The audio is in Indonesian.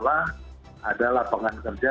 ada lapangan kerja